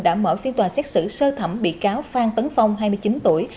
đã mở phiên tòa xét xử sơ thẩm bị cáo phan tấn phong hai mươi chín tuổi